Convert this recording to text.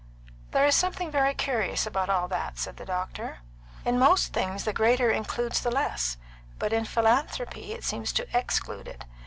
"There's something very curious about all that," said the doctor. "In most things the greater includes the less, but in philanthropy it seems to exclude it.